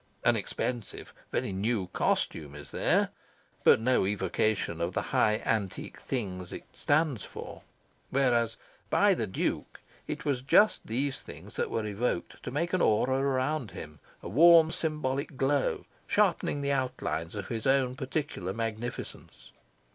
An expensive, very new costume is there, but no evocation of the high antique things it stands for; whereas by the Duke it was just these things that were evoked to make an aura round him, a warm symbolic glow sharpening the outlines of his own particular magnificence.